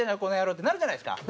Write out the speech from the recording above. ってなるじゃないですか。